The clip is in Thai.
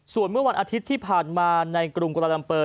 ส่วนเมื่อวันอาทิตย์ที่ผ่านมาในกรุงกุลาลัมเปอร์